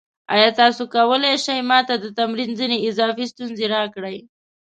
ایا تاسو کولی شئ ما ته د تمرین ځینې اضافي ستونزې راکړئ؟